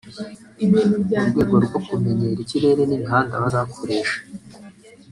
mu rwego rwo kumenyera ikirere n’imihanda bazakoresha